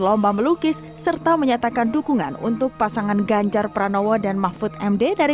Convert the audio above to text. lomba melukis serta menyatakan dukungan untuk pasangan ganjar pranowo dan mahfud md dari